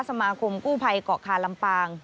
สมาคมกู้ภัยเกาะคาลำปาง